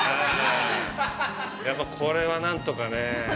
やっぱりこれは何とかねえ。